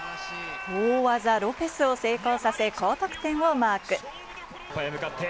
大技・ロペスを成功させ、高得点をマーク。